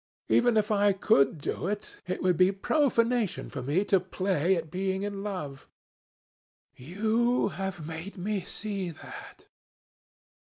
Even if I could do it, it would be profanation for me to play at being in love. You have made me see that."